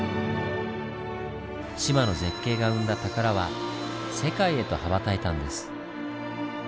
志摩の絶景が生んだ宝は世界へと羽ばたいたんです。